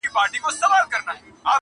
ګله له تا هم زلمي ډاریږي-